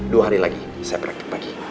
dua hari lagi saya praktik pagi